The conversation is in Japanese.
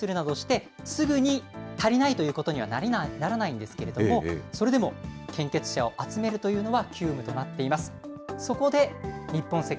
足りない分はほかの県から融通するなどして、すぐに足りないということにはならないんですけれども、それでも献血者を集めるというのは急務となっています。